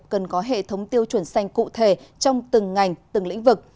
cần có hệ thống tiêu chuẩn xanh cụ thể trong từng ngành từng lĩnh vực